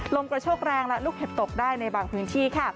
ลมกระโชกแรงและลูกเห็บตกได้ในบางพื้นที่